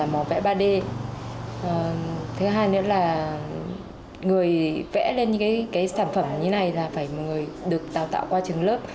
màu vẽ ba d thứ hai nữa là người vẽ lên cái sản phẩm như thế này là phải một người được tạo tạo qua trường lớp